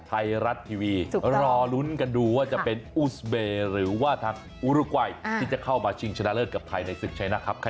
ไทยรัฐทีวีรอลุ้นกันดูว่าจะเป็นอูสเบย์หรือว่าทางอุรุกวัยที่จะเข้ามาชิงชนะเลิศกับไทยในศึกชัยนะครับ